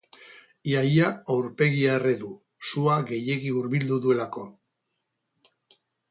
Ia-ia aurpegia erre du, sua gehiegi hurbildu duelako.